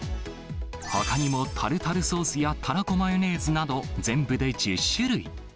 ほかにもタルタルソースやたらこマヨネーズなど、全部で１０種類。